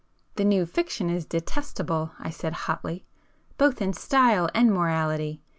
"The new fiction is detestable,"—I said hotly—"Both in style and morality.